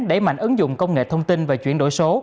đẩy mạnh ứng dụng công nghệ thông tin và chuyển đổi số